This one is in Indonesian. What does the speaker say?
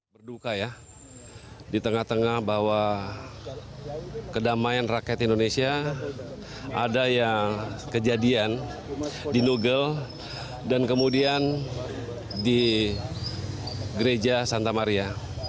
berduka ya di tengah tengah bahwa kedamaian rakyat indonesia ada yang kejadian di nuggel dan kemudian di gereja santa maria